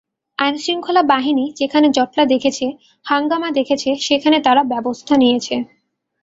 আইনশৃঙ্খলা বাহিনী যেখানে জটলা দেখেছে, হাঙ্গামা দেখেছে, সেখানে তারা ব্যবস্থা নিয়েছে।